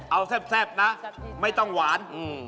เอาแซ่บนะไม่ต้องหวาน